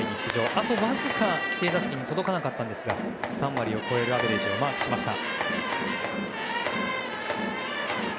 あとわずか、規定打席に届かなかったんですが３割を超えるアベレージをマークしました。